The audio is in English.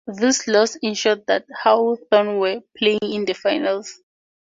This loss ensured that Hawthorn were playing in the finals.